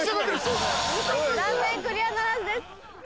残念クリアならずです。